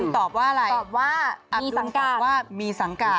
ตอบว่าอะไรตอบว่ามีสังการอับดุลฝากว่ามีสังการ